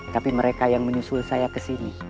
tapi mereka yang menyusul saya ke sini